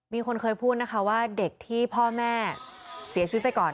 มีคนเคยพูดนะคะว่าเด็กที่พ่อแม่เสียชีวิตไปก่อน